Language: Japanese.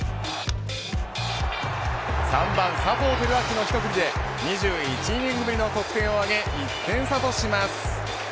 ３番、佐藤輝明の一振りで２１イニングぶりの得点を挙げ１点差とします。